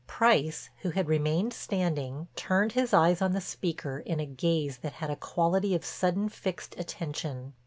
Price, who had remained standing, turned his eyes on the speaker in a gaze that had a quality of sudden fixed attention.